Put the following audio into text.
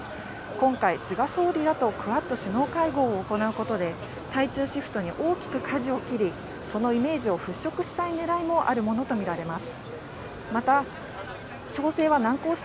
今回、菅総理らとクアッド首脳会合を行うことで対中シフトに大きくかじを切りそのイメージを払拭したい狙いもあるものと思われます。